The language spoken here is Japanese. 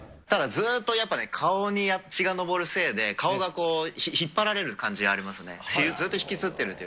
ただずっと、やっぱね、顔に血が上るせいで、顔がこう、引っ張られる感じがありますね。